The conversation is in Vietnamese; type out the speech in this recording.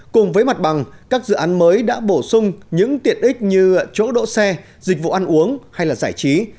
cùng với mặt bằng các dự án mới đã bổ sung những tiện ích như chỗ đỗ xe dịch vụ ăn uống hay là giải trí